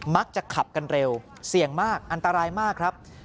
มักจะขับกันเร็วเสี่ยงมากอันตรายมากครับ